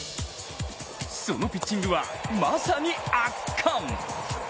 そのピッチングはまさに圧巻。